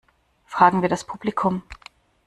Fragen wir das Publikum!